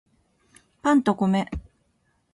パンと米